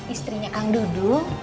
istrinya kang dudung